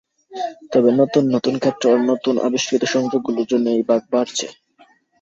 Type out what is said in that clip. তবে নতুন নতুন ক্ষেত্র আর নতুন আবিস্কৃত সংযোগ গুলোর জন্য এই ভাগ বাড়ছে।